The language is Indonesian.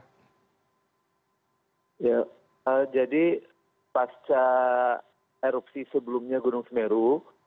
ya jadi pasca erupsi sebelumnya gunung semeru